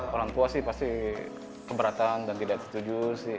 orang tua sih pasti keberatan dan tidak setuju